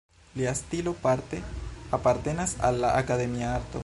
Lia stilo parte apartenas al la akademia arto.